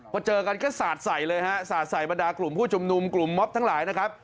พอเจอกันก็สาดใส่เลยฮะสาดใส่บรรดากลุ่มผู้ชุมนุมกลุ่มมอบทั้งหลายนะครับ